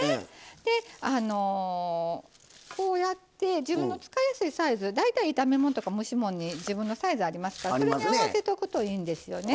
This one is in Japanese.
であのこうやって自分の使いやすいサイズ大体炒め物とか蒸し物に自分のサイズありますからそれに合わせておくといいんですよね。